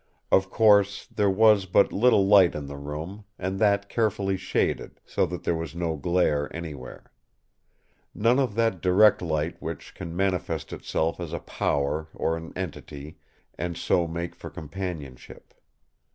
Of course, there was but little light in the room, and that carefully shaded; so that there was no glare anywhere. None of that direct light which can manifest itself as a power or an entity, and so make for companionship.